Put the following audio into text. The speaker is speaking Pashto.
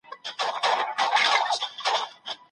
موږ باید د واقعیتونو منلو ته چمتو اوسو.